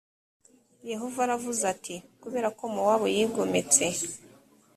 yehova aravuze ati kubera ko mowabu yigometse